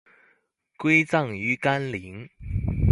归葬于干陵。